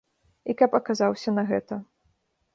І каб аказаўся на гэта.